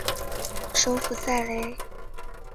首府塞雷。